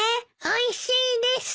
おいしいです。